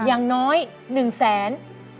อย่างน้อย๑แสน